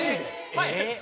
はい！